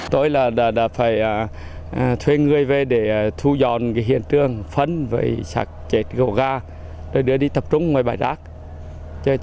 tôi đã phải thuê người về để thu dọn hiện trường phấn và sạch chết gồ gà để đưa đi tập trung ngoài bãi rác